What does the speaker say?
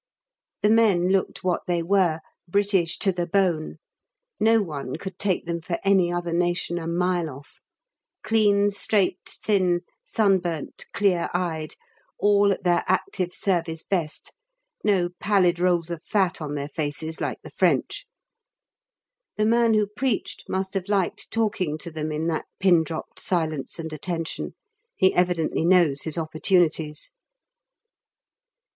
The men looked what they were, British to the bone; no one could take them for any other nation a mile off. Clean, straight, thin, sunburnt, clear eyed, all at their Active Service best, no pallid rolls of fat on their faces like the French. The man who preached must have liked talking to them in that pin dropped silence and attention; he evidently knows his opportunities.